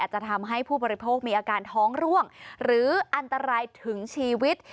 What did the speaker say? จะทำให้ผู้บริโภคมีอาการท้องร่วงหรืออันตรายถึงชีวิต